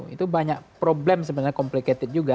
itu banyak problem sebenarnya complicated juga